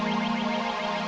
hanya tim bpk